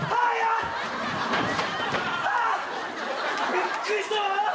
びっくりしたわ！